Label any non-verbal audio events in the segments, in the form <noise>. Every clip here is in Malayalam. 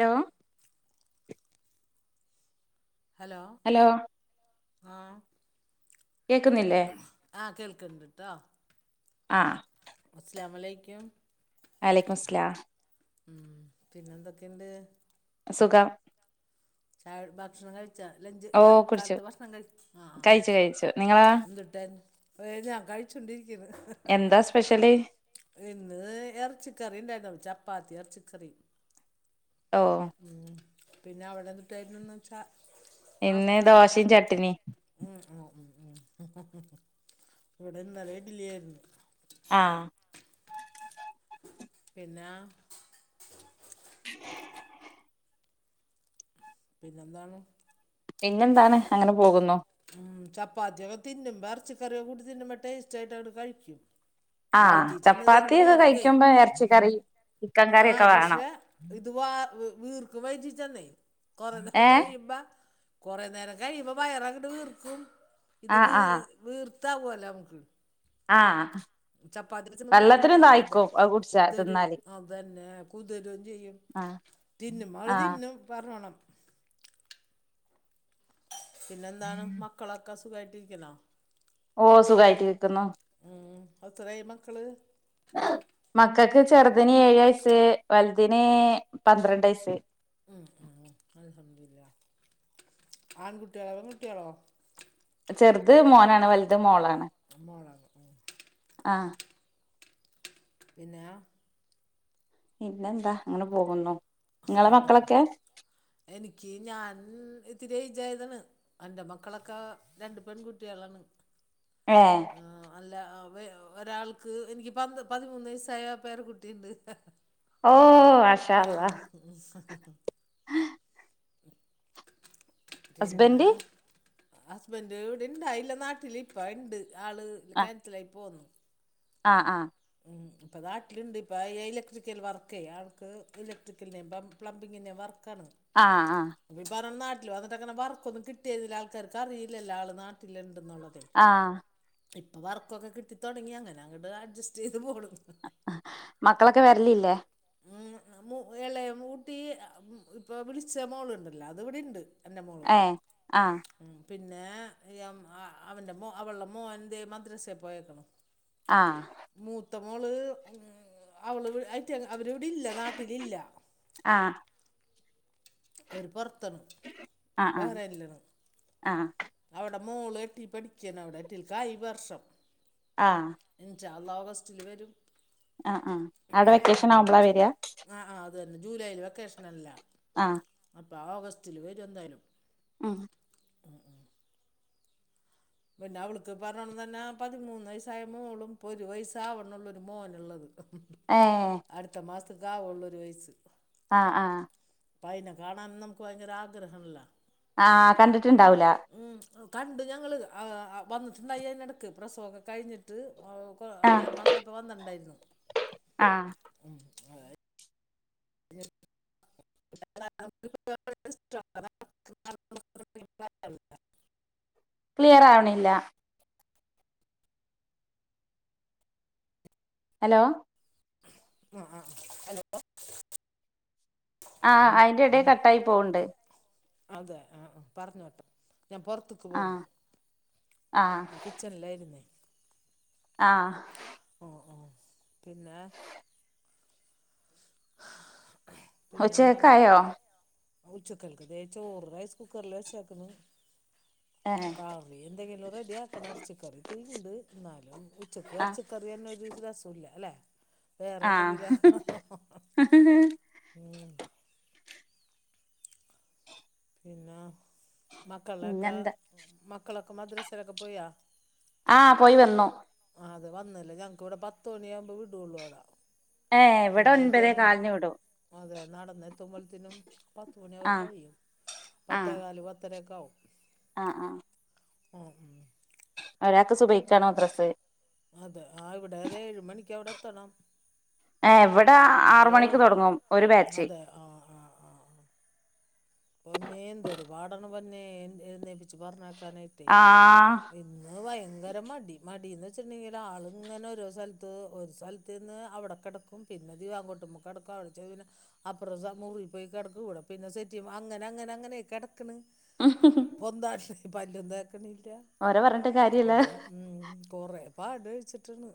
ലോ ഹലോ ആഹ് കേക്കുന്നില്ലേ ക്ക്ണ്ട്ട്ടോ ആഹ് അസ്സലാമലൈക്കും വഅലൈക്കുമുസ്സലാം ഉം പിന്നെന്തൊക്കെണ്ട് സുഖം ചായ ഭക്ഷണം കഴിച്ചാ ലഞ്ച് ഓ ക കുടിച്ചു കാലത്ത് ഭക്ഷണം കഴി ആ ആ കഴിച്ചു കഴിച്ചു നിങ്ങളാ എന്തുട്ടായിര്ന്നു <unintelligible> കഴിച്ചൊണ്ടിരി എന്താ സ്പെഷ്യല് ഇന്ന് എർച്ചിക്കറിണ്ടായിര്ന്നു പ്പ ച പ്പാത്തി എർച്ചിക്കറി ഓ പിന്നെ അവിടെ എന്തുട്ടായിരുന്നു ചാ ഇന്ന് ദോശയും ചട്ണി. ഉം ഉം ഉം ഉം ഇവിടെ ഇന്നലെ ഇഡ്ഡലിയായിരുന്നു. ആഹ് പിന്നാ പിന്നെന്താണ് പിന്നെന്താണ് അങ്ങനെ പോകുന്നു. ഉം ചപ്പാത്തിയൊക്കെ തിന്നുമ്പ എർച്ചകറിയൊക്ക കൂടി തിന്നുമ്പോ ടേസ്‌റ്റായിട്ടാട് കഴിക്കും ആ വയറ്റിൽ ചെന്ന് ഇത് അങ്ങോട്ട് ചപ്പാത്തിയൊക്കെ വീർക്കുവേ കഴിക്കുമ്പോ എർച്ചികറി ചിക്കൻ കറിയൊക്കെ വേണം വിർക്കും വയറ്റിച്ചെന്ന് കുറ നേരം ഏഹ് കഴിയുമ്പ കുറേ നേരം കഴിയുമ്പോൾ വയറ <unintelligible> ഇത് ആഹ് വീ ആഹ് വീർ ത വൊ ല്ലാംമ്മക്ക് ആഹ ചപ്പാത്തിക്ക വീർക്കല്ലോ വല്ല അത് കുടിച്ചാ കുതരും തിന്നാല് അത തന്നെ കുതരും ചെയ്യും, ആഹ് തിന്നും അവള് ആഹ് തിന്നും പറഞ്ഞോണം. പിന്നെന്താണ് മക്കളൊക്കെ സുഖായിട്ടിരിക്കണോ ഓ സുഖയിട്ട് രിക്കുന്നു ഉം എത്രായി മക്കള് മക്കൾക്ക് ചെറുതിന് ഏഴ് വയസ്, വലുതിന് പന്ത്രണ്ട് വയസ് ഉം ഉ ഉ അ സതില്ല ആൺകുട്ടിയളോ പെൺകുട്ടിയാളോ ചെറുത് മോനാണ് വലി ഉ <unintelligible> ആഹ പിന്നെ പിന്നെന്താ, അങ്ങനെ പോകുന്നു നിങ്ങളെ മക്കളൊക്കെ എനിക്ക് ഞാൻ ഇത്തി പായതാണ് എൻ്റെ മക്കളൊക്കെ രണ്ട് പെൺകുട്ടികളാണ്. ഏ ല്ല ഒരാൾക്ക് എനിക്ക് പ പതിമൂന്ന് വയസായ പേര കുട്ടിയണ്ട് ഓ മാഷാ ആ അല്ലാഹ് പിന്നെ ഹസ്ബൻഡ് ഹസ്ബൻഡ വിടെ ഇണ്ടായില്ല, നാട്ടില് ഇപ്പ ഉണ്ട് ആൾ ആ ക്യാൻസലായി പോന്നു ആ ആ ഇപ്പൾ നാട്ടിലുണ്ട് ഇപ്പൾ ഇലക്ട്രിക്കൽ വർക്ക് ആൾക്ക് ഇലക്ട്രിക്കലിം പ്ലംബിങ്ങിൻ്റെ വർക്ക് ആ ആ പറഞ്ഞ എന്നി അങ്ങന വർക്കൊന്നും കിട്ടിയരുന്നില്ല ആൾക്കാർക്ക് അറിയില്ല ആള് നാട്ടിലണ്ട് ന്നുള്ളത് ആ ഇപ്പൾ വർക്കൊക്കെ കിട്ടി തുടങ്ങി അങ്ങനെ അങ്ങോട്ട് അഡ് ചെയ്തു പോണം മക്കളൊക്കെ വരലില്ലേ ഉ എളകുട്ടി ഇപ്പൊ വിളിച്ച മോളുണ്ടല്ലോ അത് ഇവിടെണ്ട് എന്റെ മോള് ഏ ആ ഉം പിന്നെ <unintelligible> അവൻ്റെ മോ അവള്ള മോന്റെ മദ്രസെ പോയേക്ക് ണ് ആഹ് ത്തമോള് അവള് <unintelligible> അവരിവിടെ ഇല്ല നാട്ടിലില്ല ആ ആ അവര് പൊർ ത്ത് ആ ബഹറൈനിലാണ് ആ അവ ടെ മോള് എട്ടിൽ പഠിക്കാണ് അവിടെ എട്ടിൽക്കായി ഈ വർഷം ആഹ് യാഅള്ളാഹു ഫസ്റ്റിൽ വരും ആഹ് ആഹ് അവിടെ വെക്കേഷൻ ആവുമ്പളാ വരാ ആ ആ അത് ജൂലായി ല് വെക്കേഷനല്ല ആഹ് <unintelligible> വാവ ഓഗസ്റ്റില് വരും എന്തായാലും അ പിന്നെ അവൾക്ക് പറഞ്ഞ തന്നെ പതിമൂന്ന് വയസ്സായ മോളും ഒരു വയസ്സാവണുള്ളൊരു മോന ഉള്ളത് ഏ ത്ഘാ ഓള്ളൊരു വയസ്സ് ആഹ് ആഹ് പ്പൊ അയിനെ കാണാൻ നമുക്ക് വയങ്കര ആഗ്രഹല്ലെ ആഹ് കണ്ടിട്ടുണ്ടാവൂല കണ്ട് ഞങ്ങള് <unintelligible> ആ വന്നിട്ടുണ്ടായി അതിനെടക്ക് പ്രസവൊക്കെ കഴിഞ്ഞിട്ട് <unintelligible> ആ ഓക്ക്അഞ്ചാറ് മാസായ പ്പൊ വന്നിട്ടുണ്ടായിരുന്നു ആ ഉം <inaudible> ക്ലിയർ ആവണില്ല ഹലോ അ ആ ഹലോ ആഹ് അയിന്റെ എടേ കട്ടായി പോവ്ണ്ട് അതെ ആഹ് പറഞ്ഞോട്ടെ ഞാൻ പുറത്ത്ക്ക് ആ പോന്നു കിച്ചണിലേയിരുന്നേ ആഹ് ഓ ഓ പിന്നെ ഉച്ച പിന്നെന്താണ് ഹെക്കായോ ഉച്ചക്കൽക്ക് ദേ ചോറ് റൈസ് കുക്കർല് വെച്ചേക്കുന്ന് ഏ കറി എന്തെങ്കിലും റെഡിയാക്കണം എറച്ചിക്കറിയിത്തിരിണ്ട് ഇന്നാലും ഉച്ചക്ക് ആഹ് എറച്ചിക്കറിയെന്നെ ഒരു രസൂല്ല അല്ലെ വേറെന്തെങ്കില്വ ആഹ് ഹ് ഹ് ഹ് പിന്നാ മക്കളെക്കെ പിന്നെന്താ മക്കളെ മദ്രസയിലൊക്കെ പോയോ? ആഹ് പോയി വന്നു. അത് വന്നില്ലേ ഞങ്ങൾക്ക് ഇവിടെ പത്ത് മണിയാകുമ്പോൾ വിടുള്ളൂ അടാ. ഏഹ് ഇവിടെ ഒൻപതെ കാലിന് വിടും. നടന്ന് എത്തുമ്പലത്തിനും പത്തുമണിയൊക്കെ ആഹ് കഴിയും ആഹ് പത്തേകാല് പത്തരയൊക്കെ. ആവും. ആഹ് ആഹ് ആ ഒരാക്ക് സുബഹിക്കാണ് മദ്രസ്സ് തണം ഏവെട് ടെ ആ ആറ് മണിക്ക് തുടങ്ങും ഒരു ബാച്ച് അതെ പിന്നേ എന്തൊരു പാടണ്ണം വന്നേ എൻ എഴുന്നേൽപി ഷുഗർ നോക്കാനായിട്ടെ ആഹ് ഇന്ന് ഭയങ്കര മടി മടീന്നെച് സ്ന്നീടാള്ങ്ങനെ ഓരോ സെൽത്ത് ഒരു സെൽത്ത്ന്ന് അവിടെ കെടക്കും പിന്നെ ദിവ അങ്ങോട്ടുമ കിടക്കും അവിടെ പോയി പിന്നെ അപ്പറ റൂമി പോയി കിടെക്കും ഇവിടെ പിന്നെ സെറ്റ് <unintelligible> അങ്ങനെ അങ്ങനെ അങ്ങനെ കെട ക്ക്‌ണ് പൊന്താഷ് വലുത് ഇല്ല ഓരെ പറഞ്ഞിട്ട് ആ കാര്യല്ല ഉം കൊറേ പാ ടി ച്ചിട്ടിന്ന്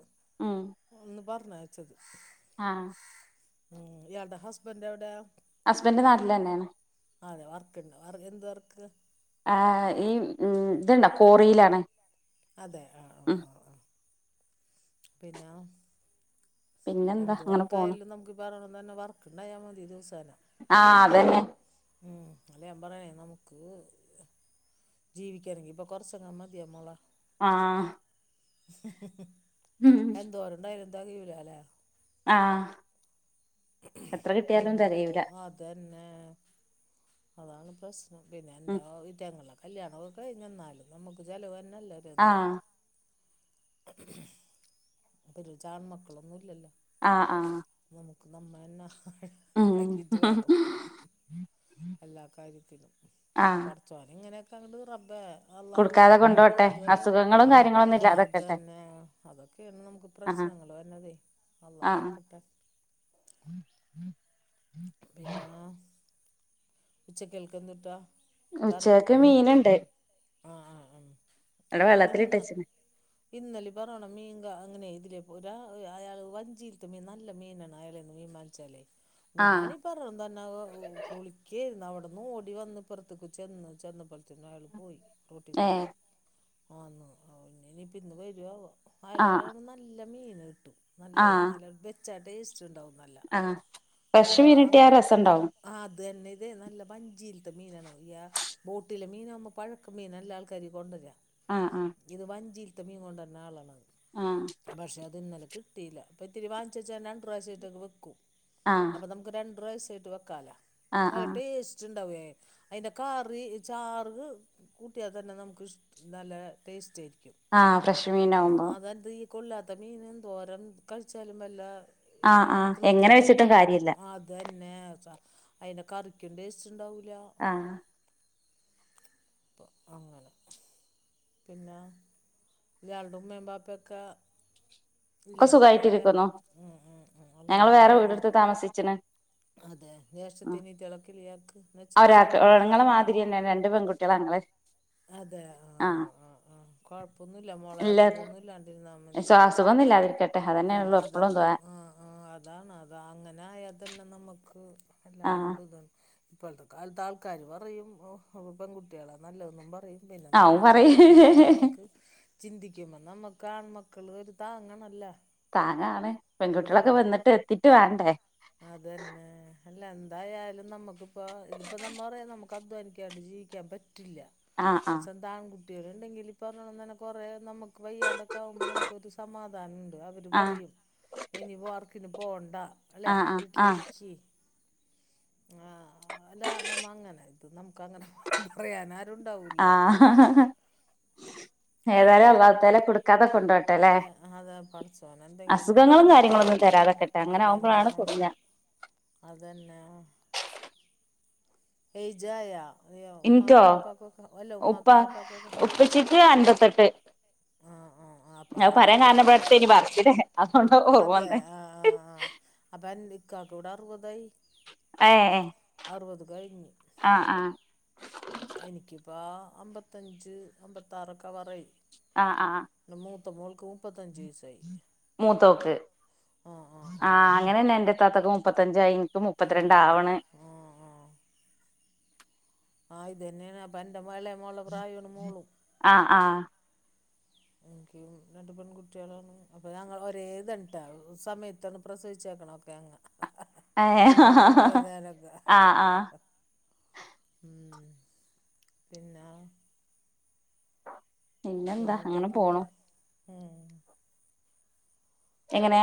ഒന്ന് പർ നേച്ചത് ആ ഉം ഇയാൾടെ ഹസ്ബൻഡ് എവ്ടെ ഹസ്ബൻഡ് നാട്ടിലെന്നെണ് അതെ വർക്ണ്ടോ അർ എന്ത് വർക്ക്? ആ ഈ ഉം ഇത്ണ്ടോ കോറീലാണ് അതെ ആ ആ പിന്നാ പിന്നെന്താ എന്തു അങ്ങനെ പോണ് വർക്കായാലും നമുക്ക് പറയണന്നെ വർക്ക് ഉണ്ടായ മതി <unintelligible> ആ അതന്നെ ഉം അല്ല ഞാൻ പറ നമുക്ക് ജീവിക്കാനാണെങ്കി ഇപ്പൊ കൊറച്ചങ്ങാനും മതിയാ മോളെ ആ ഉഉഉം എന്തോരം ഇണ്ടായിരുന്നു ഇത്‌ അറിയൂലലെ ആ എത്ര കിട്ടിയാലും തെകയൂലാ ന്നെ അതാണ് പ്രശ് പിന്നെ ഉം എന്താ ഇടങ്ങളൊക്കെ കല്യാണം ഒക്കെ കഴിഞ്ഞെയെന്നാലും നമ്മക്ക് ചെലവാ നല്ലതെന്നു ആഹ് <inaudible> <unintelligible> മക്കളൊന്നും ഇല്ലല്ലോ ആ ആ ഒക്കെ നമ്മയെന്ന ഇണ്ടാക്കിട്ട് ഉം വേണം എല്ലാ കാര്യത്തിലും ഉം ആഹ് പടച്ചോൻ ഇങ്ങനെ <unintelligible> റബ്ബെ അള്ളാഹു കൊടുക്കാതെ അങ്ങട്ട് കൊണ്ടോട്ടെ ഇതുവരെ അസുഖങ്ങളും കാര്യങ്ങളൊന്നും അതെ അത് ഇല്ലാതെക്കട്ടെ തന്നെ അതൊക്കെ <unintelligible> നമുക്ക് ആഹ് പ്രശ്നങ്ങൾ വര്ണതേ അള്ള കാക്കട്ടെ ഉം പിന്നാ ച്ച് കേൾക്ക്‌ന്നുട്ടാ ഉച്ചകക്ക്‌ മീൻ ഇണ്ട് ആഹ് ആഹ് ആഹ് എയുടെ വെള്ളത്തിൽ ഇട്ടെച്ച്ണ് ഇന്നലിം പർണ് മീൻകാ അങ്ങനെ ഇതിലെ പോരാ അയാൾ വഞ്ചിയിൽത്തെ മീൻ നല്ല മീനാണ് അയാളെന്ന് മീൻ വാങ്ങിച്ചാലേ ആഹ് ഞാനി പറഞ്ഞോളം തന്നെ ഹ് കുളിക്കെയിര്ന്ന് അവ് ട്ന്ന് ഓടി വന്ന് എപ്പർത്ത്ക്ക് ചെന്ന് ചെന്നപ്പോത്തിൻ ആയാൾ പോയി റൊട്ടികൂടെ ഏഹ് ആന്ന് ആ ഇന്ന്നി ഇപ്പൊ ഇന്ന് വരാവോ ആഹ് അലകയാണ് നല്ല മീൻ കിട്ടും നല്ലേയ് നല്ല വെ <unintelligible> ഇഷ്ടം ഇണ്ടാവും ആ അപ്പൊ അ അങ്ങ് ആ അത് തന്നെ ഇത് നല്ല വഞ്ചി ത്തെ മീനണോ യാ ബോട്ടിലെ മീന ആകുമ്പോ പഴക്കം മീൻ അല്ലാ ആൾക്കാരി കൊണ്ടരാ ആഹ് ഇത് വഞ്ചി മീൻ കൊണ്ടര് നാളാണ് ആഹ് പക്ഷെ അത് ഇന്നലെ കിട്ടീല പ്പ ഇത്തിരി വാങ്ങിച്ച് വച്ചാ രണ്ട് പ്രാവശ്യമായിട്ടങ്ങ് വെക്കും ആഹ് അപ്പൊ നമുക്ക് രണ്ടാ പ്രാവശ്യം യിട്ട് വെക്കാല ആഹ് ആഹ് നല്ല ആഹ് ടേസ്റ്റ് ണ്ട് അതിന്റെ കറി ചാറ് കൂട്ടിയാ തന്നെ നമുക്ക് ഇഷ് നല്ല ടേസ്‌റ്റേയി ആ ഫ്രഷ് മീനാവുമ്പോ കുല്ലാത്ത മീനെന്തോരം കഴിച്ചാലും വല്ല ആ ആ എങ്ങനെ വെച്ചിട്ടും കാര്യല്ല ഇല്ല പിന്നെ അയിന്റെ കറിക്കും ടേസ്റ്റ്ണ്ടാവൂ ആ അപ്പൊ അങ്ങനെ പിന്നാ ഇയാടെ ഉമ്മേം ബാപ്പെക്കെ ഒക്കെ സുഖായിട്ടിരിക്കുന്നു ഉം ഉം ഞങ്ങള് അൽഹംദുലില്ലാ വേറെ ഇയാൾക്ക് വീട്‌ട്ത്ത് താമസിച്ച്ണ് അതെ ജേഷ്ഠത്തി ആഹ് അനിയത്തിയളൊക്കെല്ലിയാക്ക് ന്നുവച്ചാ ഒരാക്ക് സ്വന്തമായിട്ട് ഇങ്ങളെ മാതിരിയെന്നെ രണ്ട് പെൺകുട്ടികളാ ഞങ്ങള് അതെ ആ ആഹ് ആ ആ ആ കൊഴപ്പൊന്നും ഇല്ല മോളെ അസുഖൊന്നുല്ലാണ്ടിരുന്നാ അതാ മതി അസുഖൊന്നും ഇല്ലാതിരിക്കട്ടെ ആ അതന്നെള്ളു എപ്പളും അതാണ് ദുആ ആ ആ അതാണ് അത അങ്ങനെ ആയാതന്നെ നമ്മക്ക് <unintelligible> എല്ലാം ആഹ് കൊണ്ടും ഇതാണ് ഇപ്പോഴത്തെ കാലത്ത് ആൾക്കാര് പറയും പെൺകുട്ടികളാ നല്ലത് ന്നും പറയും പിന്നെ ആ ഓൻ നമ്മ ചിന്തിക്കുമ്പോ പറയും നമ്മക്ക് ചിന്തിക്കുമ്പോ നമ്മ കാൺമക്കള് ഒരുതാങ്ങാണല്ലോ താങ്ങാണ് പെൺകുട്ടികളൊക്കെ വന്നിട്ട് എത്തിട്ട് വേണ്ടേ അത് തന്നെ അല്ല എന്തായാലും നമ്മക്കിപ്പ ഇതിപ്പോ നമ്മറയാ നമുക്ക് അധ്വാനിക്കാണ്ട് ജീവിക്കാൻ പറ്റ് റ്റില്ല ആഹ് അത് ആഹ് സ്വന്താങ്കു കുട്ടികള്ണ്ടെങ്കിൽ ഈ പറഞ്ഞോണം തന്നെ കൊറേ നമ്മക്ക് വയ്യാണ്ടൊക്കെ ആകുമ്പ നമുക്കൊരു സമാധാനം ഉണ്ട് അവര് ആഹ് പറയും ഇനിപ്പോ വർക്കിന് പോണ്ട ല്ലേ ആഹ് ആഹ് ആഹ് വീട്ടിലിരിക്കി ആ അല്ലാ നമ്മ അങ്ങനെ ഇത് ന ആ ഏതായാലും അള്ളാഹു തആല കൊടുക്ക അല്ല അതെ പഠച്ചോനെന്തെങ്കിലും അസുഖങ്ങളും കാര്യങ്ങളൊന്നും വഴിമാർഗ്ഗങ്ങളും കണ്ടിട്ട് തരാതെക്കട്ടെ അങ്ങനെ അതെന്നെ ആവുമ്പോഴാണ് കുടുങ്ങ അതെന്നേ എഴ്ജായോ ഇൻക്കോ ഉപ്പ വാപ്പാക്കും ഒക്കെ ഉപ്പച്ചിക്ക് അൻപത്തെട്ട് ആഹ് ആഹ് ആഹ് അപ്പ അത് പറയാൻ കാരണം ഇബടെ അവ്വ അടുത്തയ്നിം വാർഷികം അതുകൊണ്ടാ ഓർമ്മ അതെ വന്നെ ക്കാക്കിവിടെ അറുവതായി ഏ എ ആ ആ എനിക്കിപ്പം അമ്പത്തഞ്ച് അമ്പത്താറൊക്കെ പറയും ആ ആ ത്തമോൾക്കു മൂത്തോക്ക് ആഹ് ആഹ് ആ ആഹ് അങ്ങനെന്നെ എന്റെ താത്താക്ക് മുപ്പത്തഞ്ചായി ഇൻക്ക് ആഹ് ആഹ് മുപ്പത്തിരണ്ടാവണ്. ആഹ് ആ ഇതെന്നേണ് അപ്പെ <unintelligible> മോളെ പ്രായാണ് മോളും ആഹ് ആഹ് എൻക്കും രണ്ട് പെൺകുട്ട്യാളാണ് അപ്പം ഞങ്ങള് ഒരേതൺട്ടോ സമയത്താണ് പ്രസവിച്ചേക്കണൊക്കെ അങ്ങ് ഏഹ് മോളുടെ ഉമ്മയും ഞാനൊക്കെ ആ ആ പിന്നാ പിന്നെന്താ അങ്ങനെ പിന്നെന്തൊക്കെയുണ്ട് പോണു ഉം എങ്ങനെ?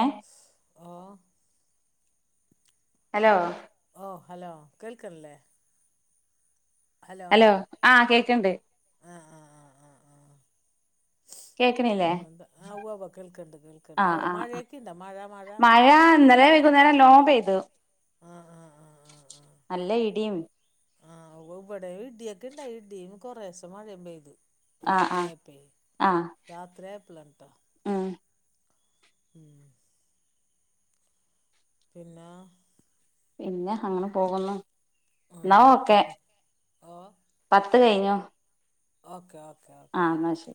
ഓ ഹലോ ഓ ഹലോ കേൾക്കൺല്ലേ ഹലോ ആ കേ ക്ക്ണ്ട് ആ ആ ആ ആ ആ കേക്ക്ണില്ലേ പിന്നെന്താ ആ ഉവ്വവ്വ കേൾക്ക്ണ്ട് കേൾക്ക്ണ്ട് ആഹ് അവിടെ ആഹ് ആഹ് മഴയൊക്കെണ്ടാ മഴ മഴ <unintelligible> നേരം നല്ലോം പെയ്ത് ആ ആ ആ ആ നല്ല ഇടിയും ആ ഉവ്വ് വിടേം ഇടിയൊക്കെ ഇണ്ടായി ഇടിയും കൊറേശെ മഴയും പെയ്ത്. ആഹ് രാത്രി ആഹ് ആയപ്പെ ആഹ് രാത്രി ആയപ്പളാണുട്ടൊ. ഉം മ് പിന്നെ പിന്നെ അങ്ങനെ പോകുന്നു. ന്ന ഓക്കെ ആഹ് ഓ പത്ത് കഴിഞ്ഞു. ഓക്കെ ഓ ക്കെ ഓക്കെ ആഹ് എന്നാ ഓക്കെ ശരി